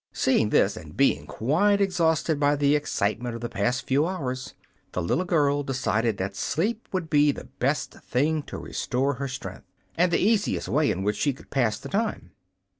Seeing this, and being quite exhausted by the excitement of the past few hours, the little girl decided that sleep would be the best thing to restore her strength and the easiest way in which she could pass the time.